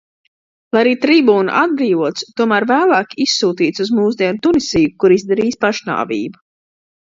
Lai arī tribūna atbrīvots, tomēr vēlāk izsūtīts uz mūsdienu Tunisiju, kur izdarījis pašnāvību.